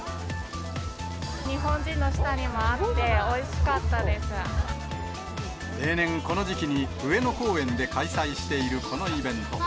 日本人の舌にも合って、例年、この時期に上野公園で開催しているこのイベント。